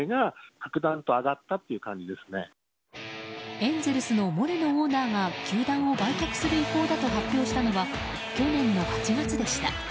エンゼルスのモレノオーナーが球団を売却する意向だと発表したのは、去年の８月でした。